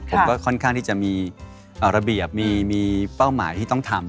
ผมก็ค่อนข้างที่จะมีระเบียบมีเป้าหมายที่ต้องทำ